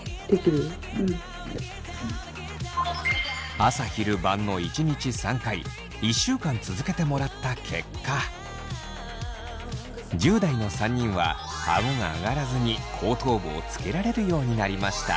朝昼晩の１日３回１週間続けてもらった結果１０代の３人はあごが上がらずに後頭部をつけられるようになりました。